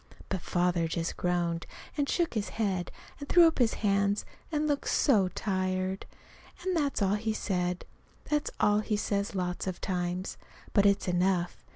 But Father just groaned, and shook his head, and threw up his hands, and looked so tired. And that's all he said. That's all he says lots of times. But it's enough.